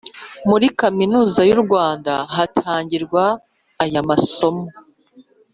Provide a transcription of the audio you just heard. muri Kaminuza y u Rwanda hatangirwa ayamasoma.